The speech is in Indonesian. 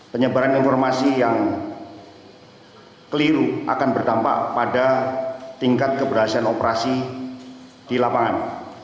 penyebaran informasi yang keliru akan berdampak pada tingkat keberhasilan operasi di lapangan